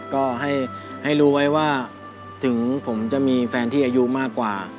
ก็ให้รู้ไว้ว่าถึงผมจะมีแฟนที่อายุมากกว่า